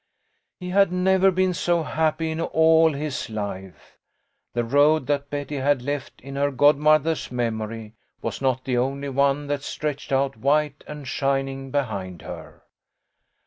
He had never been so happy in all his life. The road that Betty had left in her godmother's memory was not the only one that stretched out white and shining behind her.